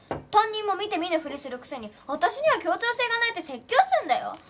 担任も見て見ぬふりするくせに私には協調性がないって説教すんだよ？